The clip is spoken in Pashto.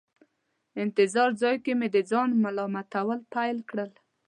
انتظار ځای کې مې د ځان ملامتول پیل کړل.